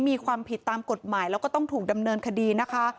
มีความผิดตามกฎหมายแล้วก็ต้องถูกดำเนินคดีนะคะ